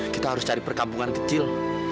kita harus cari perkampungan kecil